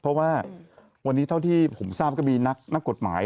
เพราะว่าวันนี้เท่าที่ผมทราบก็มีนักกฎหมาย